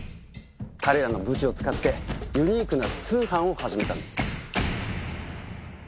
彼らの武器を使ってユニークな通販を始めたんです。